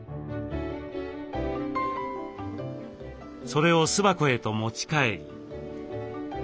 それを巣箱へと持ち帰り。